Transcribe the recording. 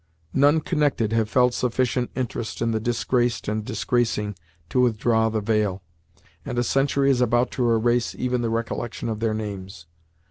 None connected have felt sufficient interest in the disgraced and disgracing to withdraw the veil, and a century is about to erase even the recollection of their names.